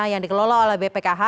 yang dikelola oleh bpkh